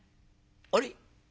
あれ？